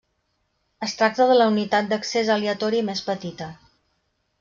Es tracta de la unitat d'accés aleatori més petita.